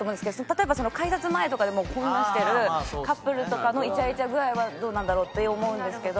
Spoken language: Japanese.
例えば改札前とかでもうこんなしてるカップルとかのイチャイチャ具合はどうなんだろうって思うんですけど。